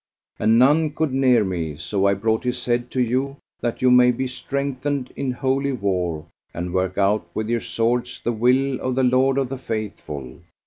And none could near me, so I brought his head to you, that you may be strengthened in Holy War and work out with your swords the will of the Lord of the Faithful.